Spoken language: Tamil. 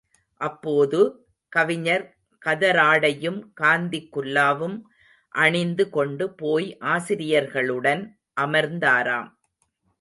அப்போது, கவிஞர் கதராடையும் காந்தி குல்லாவும் அணிந்து கொண்டு போய் ஆசிரியர்களுடன் அமர்ந்தாராம்.